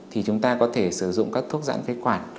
thì chúng ta có thể sử dụng các thuốc dãn phế quản